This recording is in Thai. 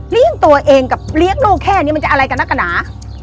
ลี่งตัวเองกับเรียกลูกแค่งี้จะอะไรกันรักน่า